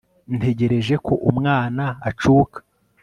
ntegereje ko umwana acuka